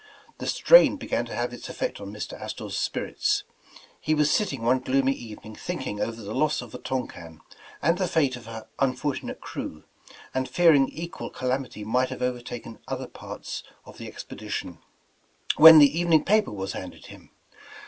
The strain began to have its effect on Mr. Astor 's spirits. He was sitting one gloomy evening thinking over the 205 The Original John Jacob Astor loss of the Tonquin and the fate of her unfortunate crew, and fearing equal calamity might have overtaken other parts of the expedition, when the evening paper was handed him.